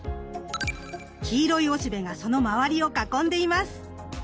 黄色いおしべがその周りを囲んでいます。